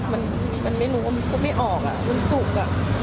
มันไม่รู้ว่าไม่ออกมันจุก